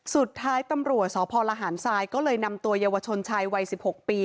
สุดท้ายตำรวจสพลหารทรายก็เลยนำตัวเยาวชนชายวัย๑๖ปี